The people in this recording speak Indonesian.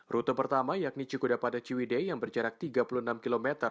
rute pertama yakni cikuda pada ciwide yang berjarak tiga puluh enam km